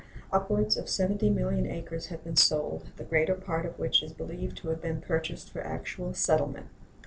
Upward of 70,000,000, acres have been sold, the greater part of which is believed to have been purchased for actual settlement.